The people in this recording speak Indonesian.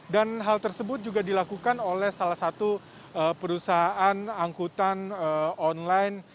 dan hal tersebut juga dilakukan oleh salah satu perusahaan angkutan online